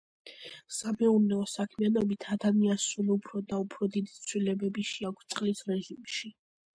სამეურნეო საქმიანობით ადამიანს სულ უფრო და უფრო დიდი ცვლილებები შეაქვს წყლის რეჟიმში.